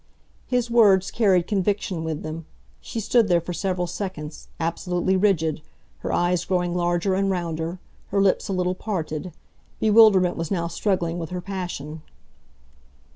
His words carried conviction with them. She stood there for several seconds, absolutely rigid, her eyes growing larger and rounder, her lips a little parted. Bewilderment was now struggling with her passion.